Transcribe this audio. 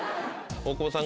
大久保さん。